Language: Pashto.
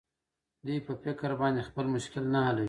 دوى په فکر باندې خپل مشکل نه حلوي.